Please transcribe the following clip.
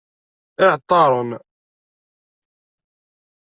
Iεeṭṭaren.